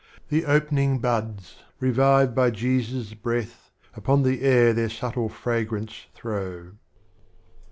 The opening buds revived by Jesus' breath, Upon the air their Subtile Fragrance throw.